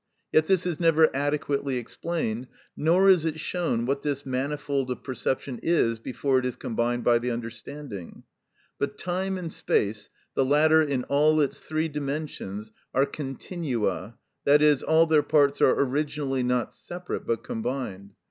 Yet this is never adequately explained, nor is it shown what this manifold of perception is before it is combined by the understanding. But time and space, the latter in all its three dimensions, are continua, i.e., all their parts are originally not separate but combined.